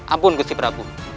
ampun gusti prabu